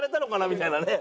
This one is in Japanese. みたいなね。